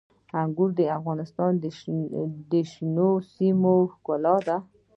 انګور د افغانستان د شنو سیمو ښکلا ده.